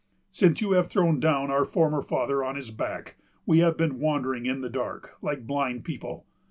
Since you have thrown down our former father on his back, we have been wandering in the dark, like blind people.